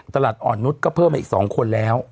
ตลาดอ่อนนุษย์ก็เพิ่มมาอีก๒คนแล้ว